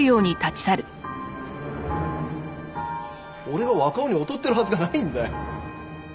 俺が若尾に劣ってるはずがないんだよ。